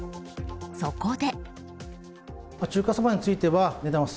そこで。